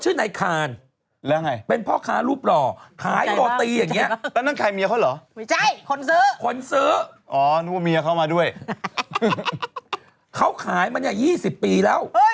เฮ้ยมันยืนเมื่อไหร่